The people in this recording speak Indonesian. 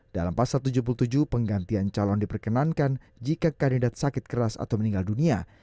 dalam pasal tujuh puluh tujuh penggantian calon diperkenankan jika kandidat sakit keras atau meninggal dunia